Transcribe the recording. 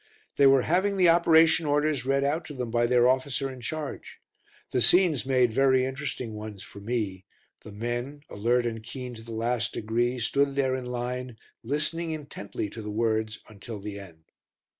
They were having the operation orders read out to them by their officer in charge. The scenes made very interesting ones for me the men, alert and keen to the last degree, stood there in line, listening intently to the words until the end.